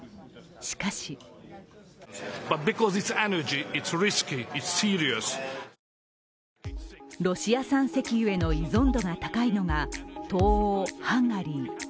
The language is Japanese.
しかしロシア産石油への依存度が高いのが東欧ハンガリー。